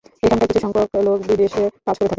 এখানকার কিছু সংখ্যক লোক বিদেশে কাজ করে থাকেন।